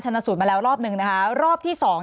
ชนะสูตรมาแล้วรอบหนึ่งนะคะรอบที่สอง